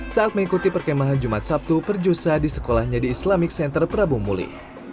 saat mengikuti perkemahan jumat sabtu perjusa di sekolahnya di islamic center prabu muli